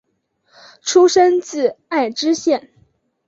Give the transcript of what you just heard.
出身自爱知县。